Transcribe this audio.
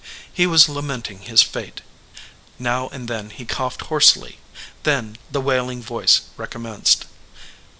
, He was lamenting his fate. Now and then he coughed hoarsely. Then the wailing voice recommenced.